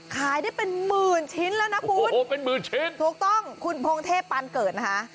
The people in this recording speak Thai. ขายได้เป็นหมื่นชิ้นแล้วนะคุณถูกต้องคุณพงเทปานเกิดนะคะ